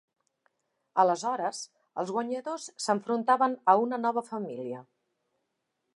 Aleshores, els guanyadors s'enfrontaven a una nova família.